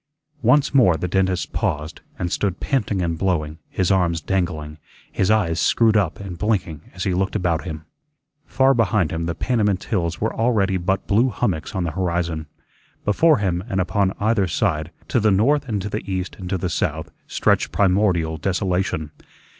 Once more the dentist paused, and stood panting and blowing, his arms dangling, his eyes screwed up and blinking as he looked about him. Far behind him the Panamint hills were already but blue hummocks on the horizon. Before him and upon either side, to the north and to the east and to the south, stretched primordial desolation.